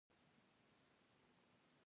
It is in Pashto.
جېبونه نه لري او وړۍ پکې کارول شوي.